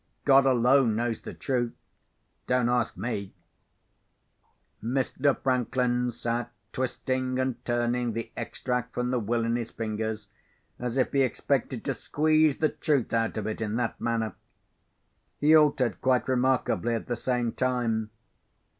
God alone knows the truth. Don't ask me." Mr. Franklin sat twisting and turning the extract from the Will in his fingers, as if he expected to squeeze the truth out of it in that manner. He altered quite remarkably, at the same time.